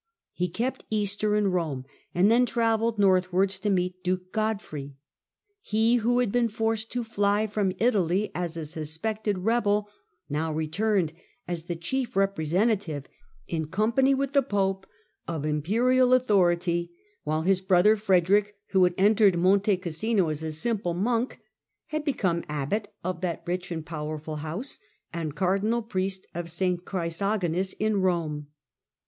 He kept Easter in Rome, and then travelled northwards to meet duke Godfrey. He who had been forced to fly from Italy as a suspected rebel, now returned as the chief representative, in company with the pope, of imperial authority, while his brother Frederick, who had entered Monte Oassino as a simple monk, had become abbot of that rich and powerful house, and cardinal priest of St. Chrysogonus in Rome.